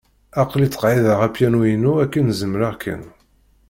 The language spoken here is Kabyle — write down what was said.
Aql-i ttqeεεideɣ apyanu-inu akken zemreɣ kan.